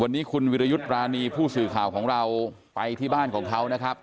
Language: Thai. วันนี้คุณวิรยุทธ์ปรานีผู้สื่อข่าวของเราไปที่บ้านของเขานะครับ